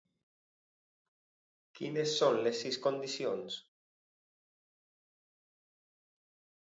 Quines són les sis condicions?